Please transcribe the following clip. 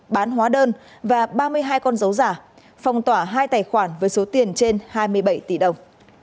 các đối tượng đã bán hóa đơn và ba mươi hai con dấu giả phòng tỏa hai tài khoản với số tiền trên hai mươi bảy tỷ đồng